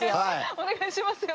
お願いしますよ